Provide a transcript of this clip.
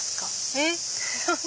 えっ！